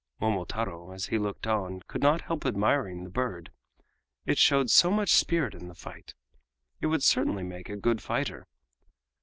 Momotaro, as he looked on, could not help admiring the bird; it showed so much spirit in the fight. It would certainly make a good fighter.